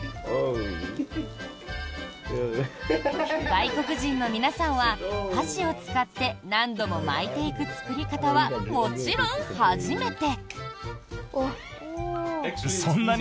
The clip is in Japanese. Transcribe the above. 外国人の皆さんは箸を使って何度も巻いていく作り方は、もちろん初めて。